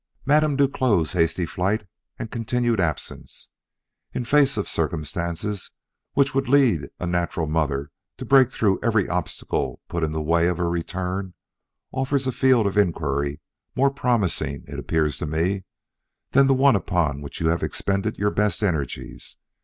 Madame Duclos' hasty flight and continued absence, in face of circumstances which would lead a natural mother to break through every obstacle put in the way of her return, offers a field of inquiry more promising, it appears to me, than the one upon which you have expended your best energies.